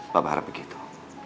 bapak harap begitu